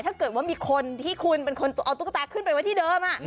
ถ้าเกิดว่ามีคนที่คุณเป็นคนเอาตุ๊กตาขึ้นไปไว้ที่เดิม